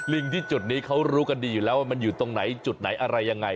ลิงที่จุดนี้เขารู้กันดีอยู่แล้วว่ามันอยู่ตรงไหนจุดไหนอะไรยังไง